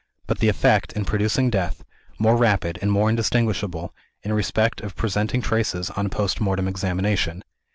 But the effect, in producing death, more rapid, and more indistinguishable, in respect of presenting traces on post mortem examination.